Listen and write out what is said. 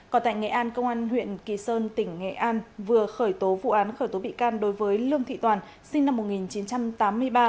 còn tại nghệ an công an huyện kỳ sơn tỉnh nghệ an vừa khởi tố vụ án khởi tố bị can đối với lương thị toàn sinh năm một nghìn chín trăm tám mươi ba